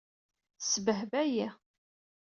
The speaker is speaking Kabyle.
Tesbehba-yi.